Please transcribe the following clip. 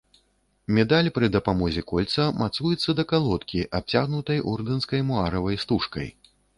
Медаль пры дапамозе кольца мацуецца да калодкі, абцягнутай ордэнскай муаравай стужкай.